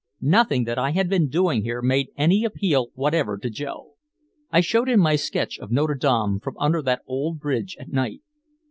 Nothing that I had been doing here made any appeal whatever to Joe. I showed him my sketch of Notre Dame from under that old bridge at night.